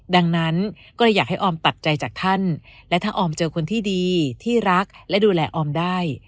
ดังนั้นก็เลยอยากให้ออมปักใจจากท่านและถ้าออมเจอคนที่ดีที่รักและดูแลออมได้